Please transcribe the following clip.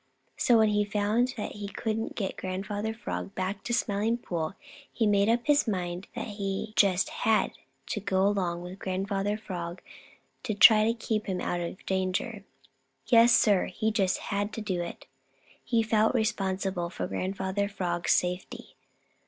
So when he found that he couldn't get Grandfather Frog to go back to the Smiling Pool, he made up his mind that he just had to go along with Grandfather Frog to try to keep him out of danger. Yes, Sir, he just had to do it. He felt re spon sible for Grandfather Frog's safety.